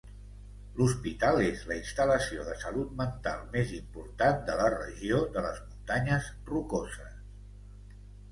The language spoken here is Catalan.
L'hospital és la instal·lació de salut mental més important de la regió de les muntanyes Rocoses.